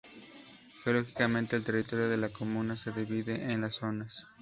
Geológicamente, el territorio de la comuna se divide en dos zonas.